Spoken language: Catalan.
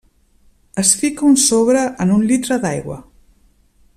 Es fica un sobre en un litre d'aigua.